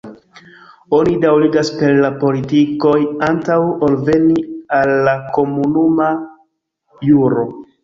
Oni daŭrigas per la politikoj antaŭ ol veni al la komunuma juro.